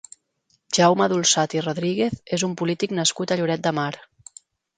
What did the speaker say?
Jaume Dulsat i Rodríguez és un polític nascut a Lloret de Mar.